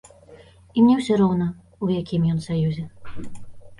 І мне ўсё роўна, у якім ён саюзе.